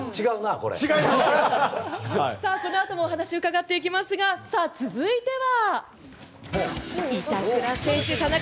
このあともお話を伺っていきますが続いては。